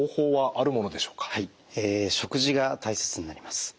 食事が大切になります。